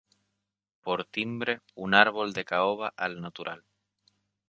Por timbre, un árbol de caoba al natural.